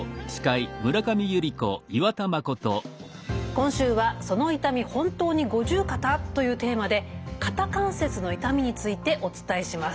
今週は「その痛み本当に五十肩？」というテーマで肩関節の痛みについてお伝えします。